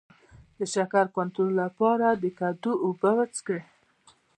د شکر کنټرول لپاره د کدو اوبه وڅښئ